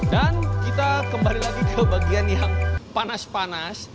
dan kita kembali lagi ke bagian yang panas panas